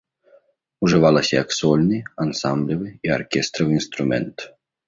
Ужывалася як сольны, ансамблевы і аркестравы інструмент.